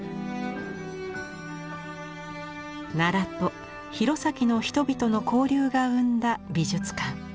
奈良と弘前の人々の交流が生んだ美術館。